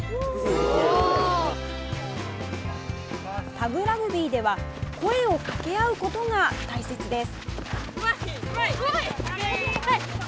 タグラグビーでは声をかけ合うことが大切です。